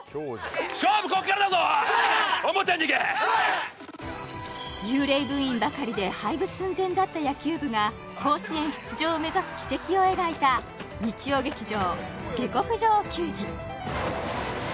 勝負こっからだぞ思ったようにいけ幽霊部員ばかりで廃部寸前だった野球部が甲子園出場を目指す軌跡を描いた日曜劇場「下剋上球児」